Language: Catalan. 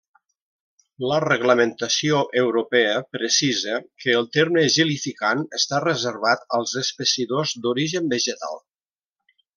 La reglamentació europea precisa que el terme gelificant està reservat als espessidors d'origen vegetal.